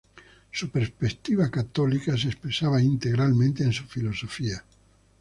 Su perspectiva católica se expresaba integralmente en su filosofía.